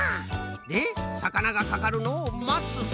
でさかながかかるのをまつ。